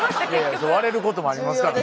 割れることもありますからね。